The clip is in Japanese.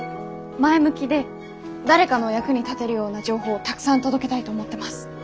前向きで誰かの役に立てるような情報をたくさん届けたいと思ってます。